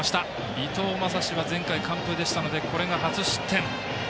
伊藤将司は前回、完封でしたのでこれが初失点。